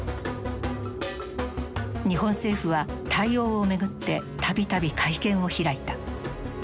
日本政府は対応を巡って度々会見を開いた。